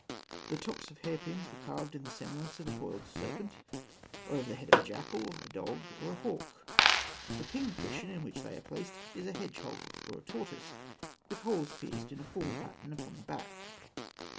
The tops of hair pins were carved in the semblance of a coiled serpent, or of the head of a jackal, a dog, or a hawk. The pin cushion in which they are placed is a hedgehog or a tortoise, with holes pierced in a formal pattern upon the back.